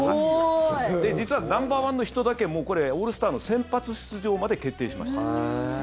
実はナンバーワンの人だけオールスターの先発出場まで決定しました。